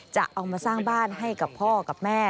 จะเอามาสร้างบ้านให้กับพ่อกับแม่